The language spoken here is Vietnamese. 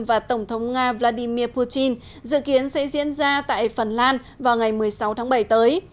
và tổng thống nga vladimir putin dự kiến sẽ diễn ra tại phần lan vào ngày một mươi sáu tháng bảy tới